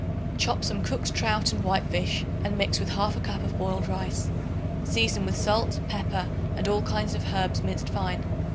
Chop some cooked trout and white fish, and mix with 1/2 cup of boiled rice. Season with salt, pepper and all kinds of herbs minced fine.